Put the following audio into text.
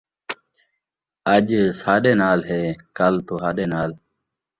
اڄ ساݙے نال ہے کل تہاݙے نال